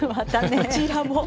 こちらも。